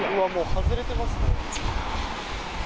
外れてますね。